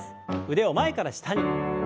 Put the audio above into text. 腕を前から下に。